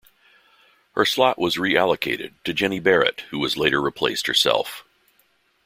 Her slot was reallocated, to Jeni Barnett who was later replaced herself.